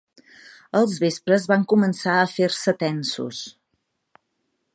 Els vespres van començar a fer-se tensos.